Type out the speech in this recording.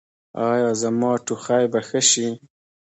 ایا زما ټوخی به ښه شي؟